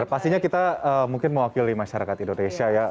pastinya kita mungkin mewakili masyarakat indonesia ya